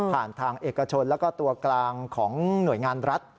ทางเอกชนแล้วก็ตัวกลางของหน่วยงานรัฐ